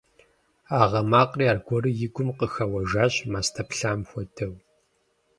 А гъы макъри аргуэру и гум къыхэуэжащ мастэ плъам хуэдэу.